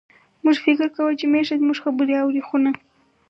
موږ فکر کاوه چې میښه زموږ خبرې اوري، خو نه.